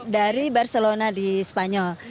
dari barcelona di spanyol